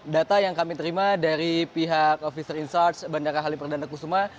data yang kami terima dari pihak officer in charge bandara halim perdana kusuma